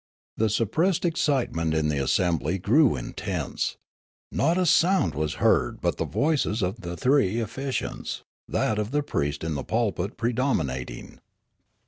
The suppressed excitement in the assembly grew intense. Not a sound was heard but the voices of the three officiants, that of the priest in the pulpit predominating.